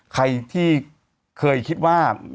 ใครที่เคยคิดว่า